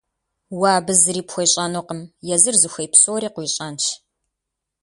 Уэ абы зыри пхуещӏэнукъым, езыр зыхуей псори къуищӏэнщ.